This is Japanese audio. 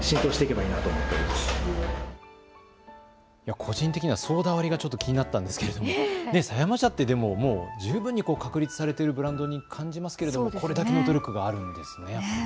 個人的にはソーダ割りが気になったんですけど狭山茶って十分に確立されているブランドに感じますけど、これだけの努力があるんですね。